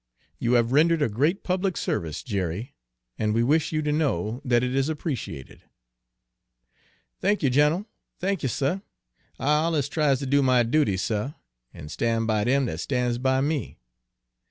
You have rendered a great public service, Jerry, and we wish you to know that it is appreciated." "Thank y', gin'l, thank y', suh! I alluz tries ter do my duty, suh, an' stan' by dem dat stan's by me.